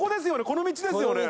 この道ですよね！